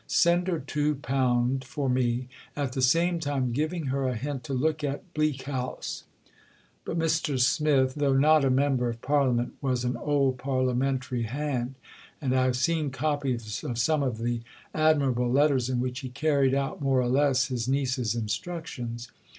Send her £2 for me, at the same time giving her a hint to look at Bleak House." But Mr. Smith, though not a member of Parliament, was an old parliamentary hand, and I have seen copies of some of the admirable letters in which he carried out, more or less, his niece's instructions.